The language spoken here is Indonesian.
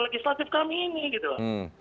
legislatif kami ini gitu loh